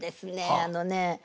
あのね